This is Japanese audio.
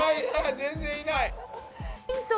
全然居ない。